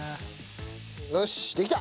よしできた！